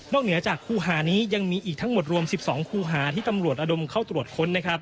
เหนือจากคู่หานี้ยังมีอีกทั้งหมดรวม๑๒คู่หาที่ตำรวจระดมเข้าตรวจค้นนะครับ